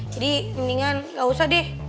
jadi mendingan gak usah deh